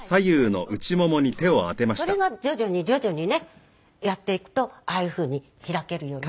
それが徐々に徐々にねやっていくとああいうふうに開けるようになる。